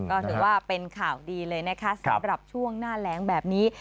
ก็ถือว่าเป็นข่าวดีเลยนะคะสำหรับช่วงหน้าแรงแบบนี้